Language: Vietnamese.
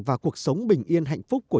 và cuộc sống bình yên hạnh phúc của